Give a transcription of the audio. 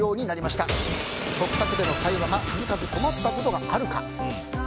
食卓の会話が続かずに困ったことはあるか。